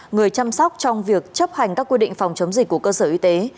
người chăm sóc trong việc chấp hành các quy định phòng chống dịch của cơ sở y tế